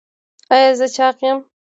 ایا زه چاغ یم؟